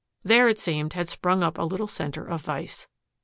There, it seemed, had sprung up a little center of vice.